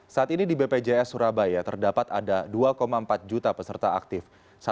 saat ini di bpjs surabaya terdapat ada dua empat juta peserta aktif